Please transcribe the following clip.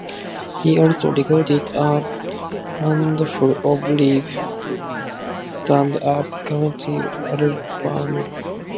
He also recorded a handful of live stand-up comedy albums.